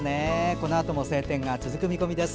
このあとも晴天が続く見込みです。